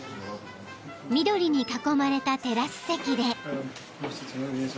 ［緑に囲まれたテラス席で］